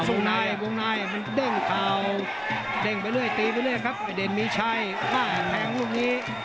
ต้องดูแกงเท็งแรงเดินเผยักดันแทงขวา